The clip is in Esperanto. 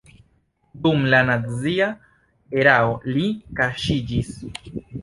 Dum la nazia erao li kaŝiĝis.